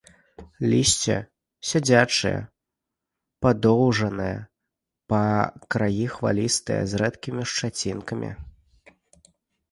Лісце сядзячае, падоўжанае, па краі хвалістае, з рэдкімі шчацінкамі.